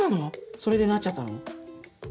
それでなっちゃったの？